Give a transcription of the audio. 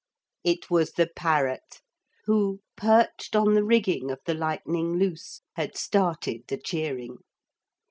It was the parrot who, perched on the rigging of the Lightning Loose, had started the cheering.